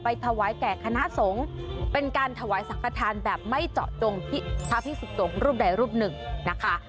ไปถาวายแก่คณะสงศ์เป็นการถาวายสังฆฐานแบบไม่เจาะจงที่ภาพิสนตรงรูปใดรูปหนึ่งนะคะ